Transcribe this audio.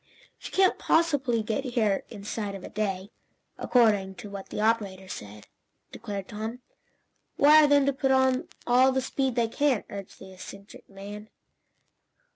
"She can't possibly get here inside of a day, according to what the operator said," declared Tom. "Wire them to put on all the speed they can," urged the eccentric man.